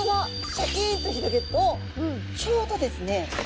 シャキンと広げるとちょうどですね